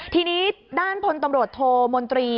ทีนี้ด้านพลตำรวจโทมนตรี